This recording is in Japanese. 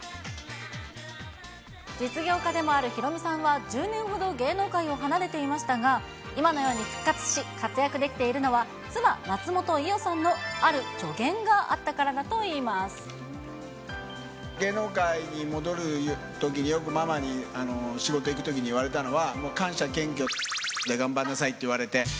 実業家でもあるヒロミさんは、１０年ほど、芸能界を離れていましたが、今のように復活し、活躍できているのは、妻、松本伊代さんの、ある助言があったから芸能界に戻るときによく、ママに仕事行くときに言われたのは、もう感謝、謙虚、×××で頑張んなさいって言われて。